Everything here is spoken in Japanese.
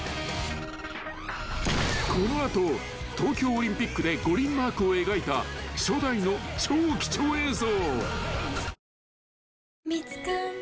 ［この後東京オリンピックで五輪マークを描いた初代の超貴重映像］